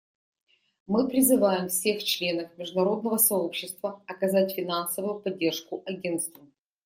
Мы призываем всех членов международного сообщества оказать финансовую поддержку Агентству.